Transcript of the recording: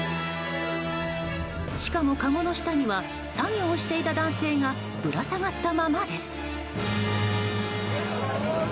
しかも、かごの下には作業をしていた男性がぶら下がったままです。